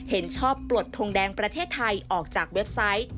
เห็นชอบปลดทงแดงประเทศไทยออกจากเว็บไซต์